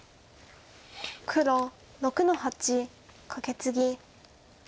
黒６の八カケツギ。